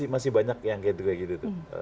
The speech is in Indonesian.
masih banyak yang kayak gitu